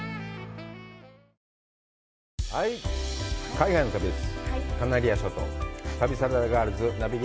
海外の旅です。